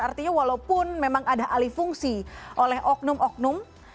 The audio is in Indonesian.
artinya walaupun memang ada alifungsi oleh oknum oknum